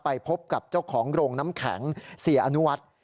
พบกับเจ้าของโรงน้ำแข็งเสียอนุวัฒน์